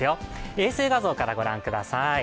衛星画像からご覧ください。